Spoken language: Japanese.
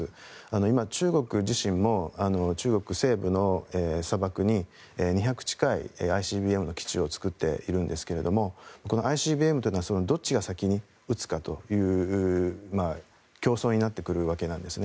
今、中国自身も中国西部の砂漠に２００近いＩＣＢＭの基地を作っているんですけれどもＩＣＢＭというのはどっちが先に撃つかという競争になってくるわけなんですね。